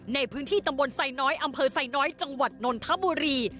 ในพื้นที่ตำบลไซน้อยอำเภอไซน้อยจังหวัดนนทบุรี